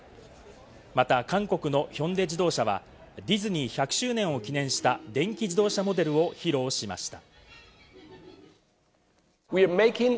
また韓国のヒョンデ自動車はディズニー１００周年を記念した電気自動車モデルを披露しました。